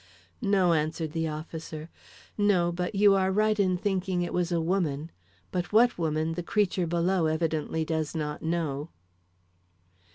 "No," answered the officer, "no; but you are right in thinking it was a woman, but what woman, the creature below evidently does not know."